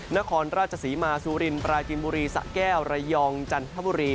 นครราชศรีมาสุรินปราจินบุรีสะแก้วระยองจันทบุรี